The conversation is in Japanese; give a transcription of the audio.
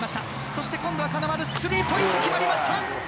そして、今度は金丸、スリーポイント、決まりました。